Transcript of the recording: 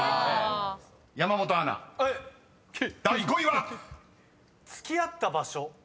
［山本アナ第５位は⁉］「付き合った場所」